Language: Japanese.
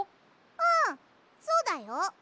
うんそうだよ！